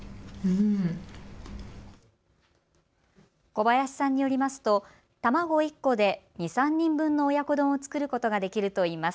小林さんによりますと卵１個で２、３人分の親子丼を作ることができるといいます。